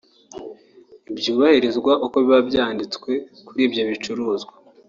ntibyubahirizwa uko biba byanditse kuri ibyo bicuruzwa